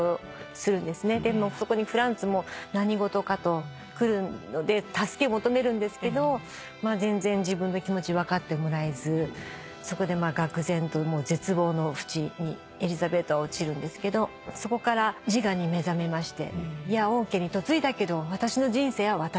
そこにフランツも何事かと来るので助け求めるんですけど全然自分の気持ち分かってもらえずそこでがく然と絶望の淵にエリザベートは落ちるんですけどそこから自我に目覚めましていや王家に嫁いだけど私の人生は私のもの。